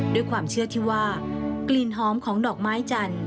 ด้วยความเชื่อที่ว่ากลิ่นหอมของดอกไม้จันทร์